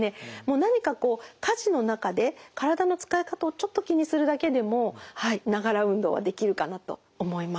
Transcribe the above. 何かこう家事の中で体の使い方をちょっと気にするだけでもながら運動はできるかなと思います。